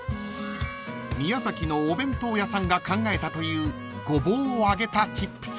［宮崎のお弁当屋さんが考えたというゴボウを揚げたチップス］